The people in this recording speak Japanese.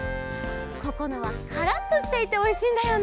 ここのはカラッとしていておいしいんだよね。